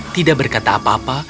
tidak berkata apa apa